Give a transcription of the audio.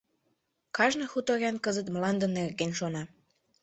Кажне хуторян кызыт мланде нерген шона.